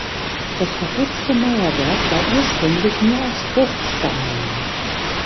Das verputzte Mauerwerk war ursprünglich nur aus Bruchsteinen.